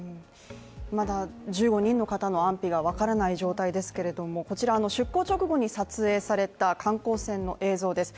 まだ１５人の方の安否が分からない状態ですけど、こちら、出港直後に撮影された観光船の映像です。